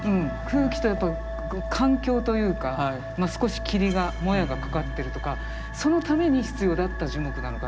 空気とやっぱ環境というか少し霧がもやがかかってるとかそのために必要だった樹木なのかなという絵だと思ってるんですね。